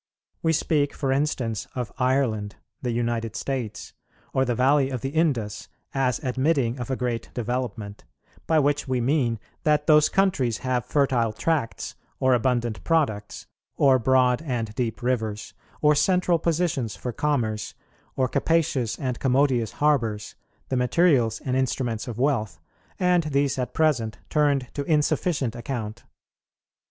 We speak, for instance, of Ireland, the United States, or the valley of the Indus, as admitting of a great development; by which we mean, that those countries have fertile tracts, or abundant products, or broad and deep rivers, or central positions for commerce, or capacious and commodious harbours, the materials and instruments of wealth, and these at present turned to insufficient account.